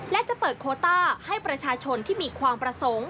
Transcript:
และจะเปิดโคต้าให้ประชาชนที่มีความประสงค์